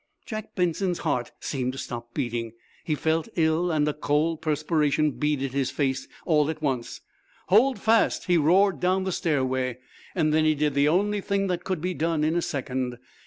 Jack Benson's heart seemed to stop beating; he felt ill, and a cold perspiration beaded his face all at once. "Hold fast!" he roared down the stairway. Then he did the only thing that could be done in a second.